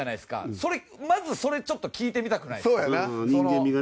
それ、まずちょっと聞いてみたくないですか？